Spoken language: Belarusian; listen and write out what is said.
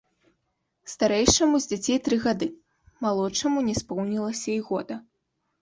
Старэйшаму з дзяцей тры гады, малодшаму не споўнілася і года.